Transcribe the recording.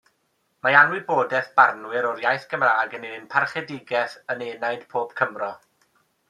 Mae anwybodaeth barnwyr o'r iaith Gymraeg yn ennyn parchedigaeth yn enaid pob Cymro.